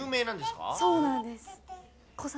そうなんです。